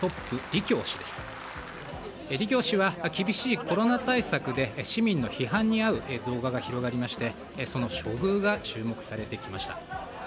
リ・キョウ氏は厳しいコロナ対策で市民の批判にあう動画が広がりましてその処遇が注目されてきました。